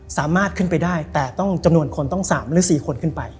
สามารถขึ้นไปได้แต่ต้องจำนวนคนต้อง๓หรือ๔คนขึ้นไป